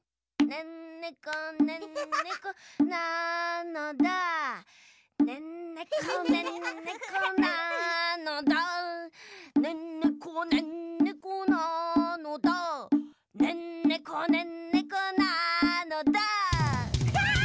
「ねんねこねんねこなのだねんねこねんねこなのだ」わあ！